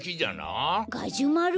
ガジュマル？